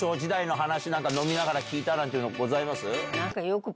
飲みながら聞いたなんてございます？